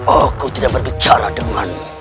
aku tidak berbicara dengan